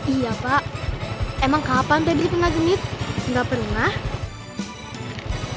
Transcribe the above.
iya pak emang kapan deh beli pengajemit nggak pernah